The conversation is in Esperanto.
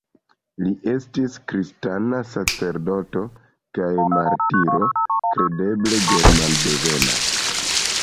Li estis kristana sacerdoto kaj martiro, kredeble germandevena.